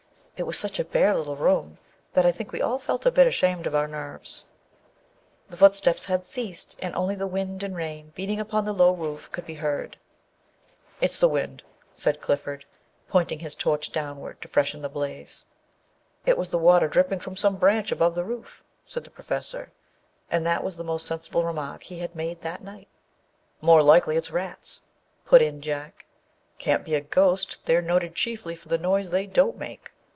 It was such a bare little room that I think we all felt a bit ashamed of our nerves. The footsteps had ceased, and only the wind and rain, beating upon the low roof, could be heard. " It's the wind," said Clifford, pointing his torch downward to freshen the blaze. " It was the water dripping from some branch upon the roof," said the Professor â and that was the most sensible remark he had made that night. The Ghost in the Red Shirt 125 " More likely it's rats/' put in Jack. " Can't be a ghost â they're noted chiefly for the noise they don't make."